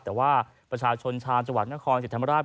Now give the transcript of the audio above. แต่ว่าประชาชนชาวจังหวัดนครสิทธิมราช